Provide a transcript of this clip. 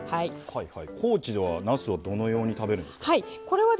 高知では、なすはどのように食べるんですか？